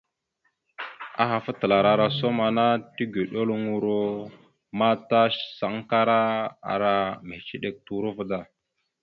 Ahaf atəlar ara osom ana tigeɗoloŋoro ma ta sankara ara mehəciɗek turova da.